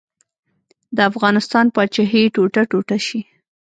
د افغانستان پاچاهي ټوټه ټوټه شي.